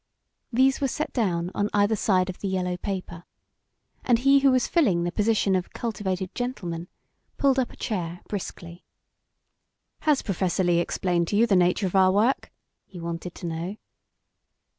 These were set down on either side of the yellow paper, and he who was filling the position of cultivated gentleman pulled up a chair, briskly. "Has Professor Lee explained to you the nature of our work?" he wanted to know.